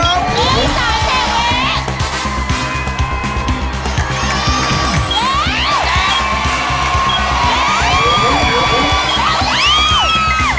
เยี่ยมกว้างเท่าไหร่